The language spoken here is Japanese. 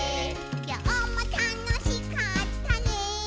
「きょうもたのしかったね」